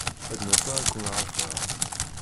Ad n-aseɣ ad ken-ɣafṛeɣ.